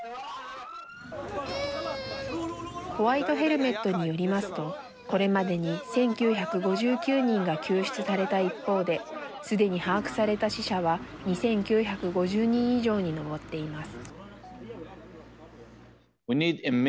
ホワイト・ヘルメットによりますとこれまでに１９５９人が救出された一方ですでに把握された死者は２９５０人以上に上っています。